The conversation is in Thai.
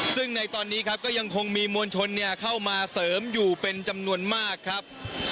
ซึ่งในตอนนี้ครับก็ยังคงมีมวลชนเข้ามาเสริมอยู่เป็นจำนวนมากครับ